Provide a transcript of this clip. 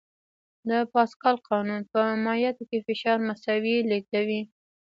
د پاسکال قانون په مایعاتو کې فشار مساوي لېږدوي.